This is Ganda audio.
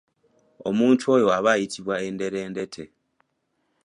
Omuntu oyo aba ayitibwa enderendete.